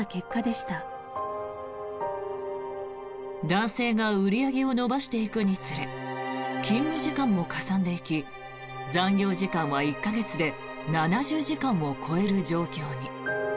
男性が売り上げを伸ばしていくにつれ勤務時間もかさんでいき残業時間は１か月で７０時間を超える状況に。